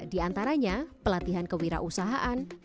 diantaranya pelatihan kewirausahaan